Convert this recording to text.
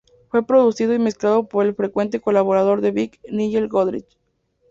Fue producido y mezclado por el frecuente colaborador de Beck, Nigel Godrich.